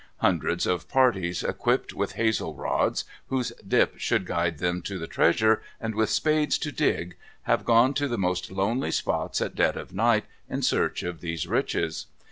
Hundreds of parties, equipped with hazel rods, whose dip should guide them to the treasure, and with spades to dig, have gone to the most lonely spots at dead of night, in search of these riches.